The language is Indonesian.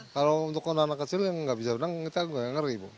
kalau untuk anak anak kecil yang nggak bisa berang kita ngeri